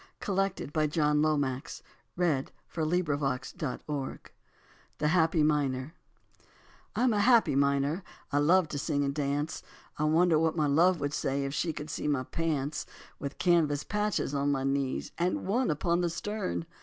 [Footnote 13: To tune of Pop Goes the Weasel.] THE HAPPY MINER I'm a happy miner, I love to sing and dance. I wonder what my love would say If she could see my pants With canvas patches on my knees And one upon the stern?